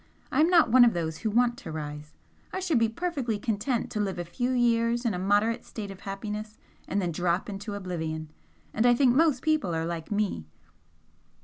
I am not one of those who want to rise. I should be perfectly content to live a few years in a moderate state of happiness and then drop into oblivion and I think most people are like me."